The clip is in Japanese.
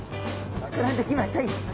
膨らんできました。